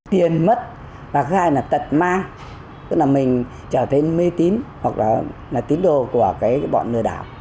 tiền mất và thứ hai là tật mang tức là mình trở nên mê tín hoặc là tín đồ của cái bọn lừa đảo